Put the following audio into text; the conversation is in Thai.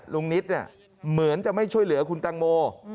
นิดเหมือนจะไม่ช่วยเหลือคุณตังโม